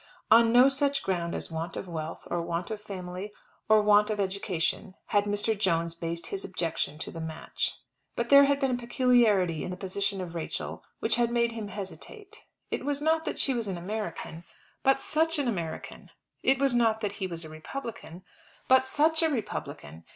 On no such ground as want of wealth, or want of family, or want of education, had Mr. Jones based his objection to the match; but there had been a peculiarity in the position of Rachel which had made him hesitate. It was not that she was an American, but such an American! It was not that he was a Republican, but such a Republican!